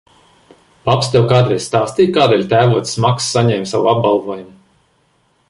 Paps tev kādreiz stāstīja, kādēļ tēvocis Maks saņēma savu apbalvojumu?